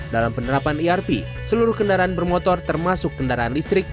dalam penerapan erp seluruh kendaraan bermotor termasuk kendaraan listrik